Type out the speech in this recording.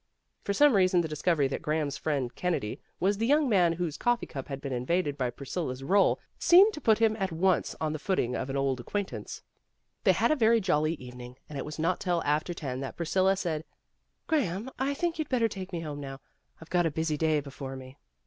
For some reason the discovery that Graham's friend, Kennedy, was the young man whose cof A SURPRISE fee cup had been invaded by Priscilla's roll seemed to put him at once on the footing of an. old acquaintance. They had a very jolly eve ning, and it was not till after ten that Priscilla said, "Graham, I think you'd better take me home, now. I've got a busy day before me."